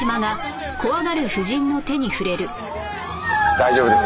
大丈夫です。